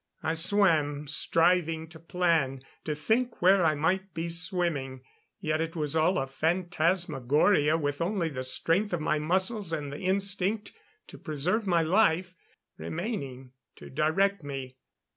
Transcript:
I swam, striving to plan, to think where I might be swimming. Yet it was all a phantasmagoria, with only the strength of my muscles and the instinct to preserve my life remaining to direct me.